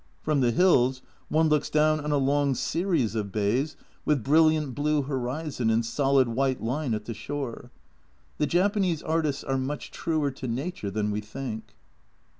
From the hills one looks down on a long series of bays with brilliant blue horizon and solid white line at the shore the Japanese artists are much truer to nature than we think.